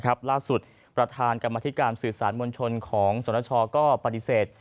โหล่าสุดประธานกรรมะธิการสื่อสารมนตรคนของสนชก็ปฏิเสธ